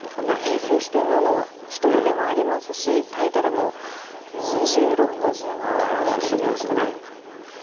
平成四天王の一人でもありますしタイトルももう２６個取られてるということで。